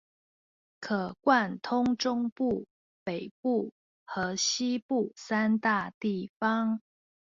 可貫通中部、北部和西部三大地方